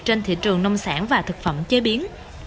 trên thị trường nông sản và thực phẩm chế biến